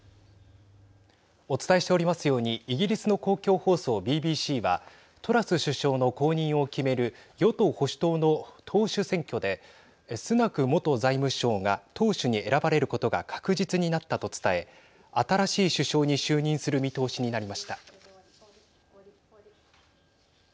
お伝えしておりますようにイギリスの公共放送ＢＢＣはトラス首相の後任を決める与党・保守党の党首選挙でスナク元財務相が党首に選ばれることが確実になったと伝え新しい首相に就任する見通しになりました。